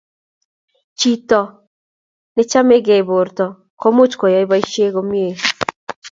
chito ne chamegei borto ko much kuyai boisie komye